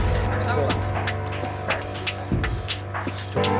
gak tau bang